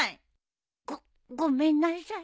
ごごめんなさい。